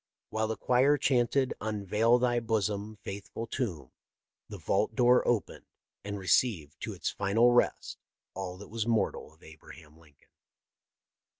While the choir chanted " Unveil Thy Bosom, Faithful Tomb," the vault door opened and received to its final rest all that was mortal of Abraham Lincoln.